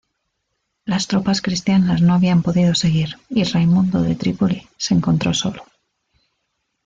Las tropas cristianas no habían podido seguir y Raimundo de Trípoli se encontró solo.